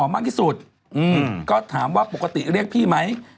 มันเป็นผู้หญิง